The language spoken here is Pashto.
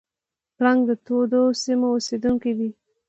پړانګ د تودو سیمو اوسېدونکی دی.